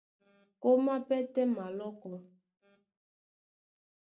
Kómá pɛ́tɛ́ malɔ́kɔ.